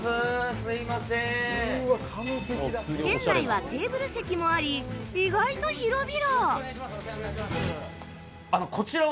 店内はテーブル席もあり意外と広々！